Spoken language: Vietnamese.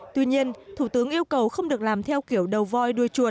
tuy nhiên thủ tướng yêu cầu không được làm theo kiểu đầu voi đua chuột